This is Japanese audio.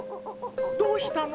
どうしたの？